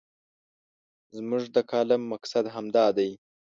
زموږ د کالم مقصد همدا دی.